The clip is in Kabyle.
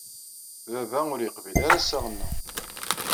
Baba ur yeqbil ara assaɣ-nneɣ.